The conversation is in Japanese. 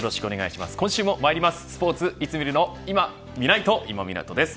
今週もまいりますスポーツいつ見るの今みないと、今湊です。